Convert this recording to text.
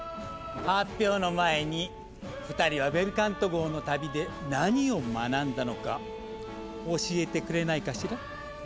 発表の前に２人はベルカント号の旅で何を学んだのか教えてくれないかしら。